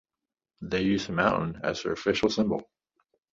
They use the mountain as their official symbol.